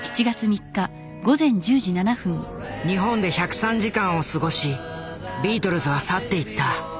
日本で１０３時間を過ごしビートルズは去っていった。